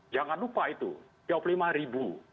jangan lupa itu dua puluh lima ribu